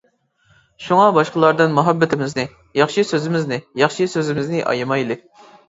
شۇڭا باشقىلاردىن مۇھەببىتىمىزنى، ياخشى سۆزىمىزنى، ياخشى سۆزىمىزنى ئايىمايلى!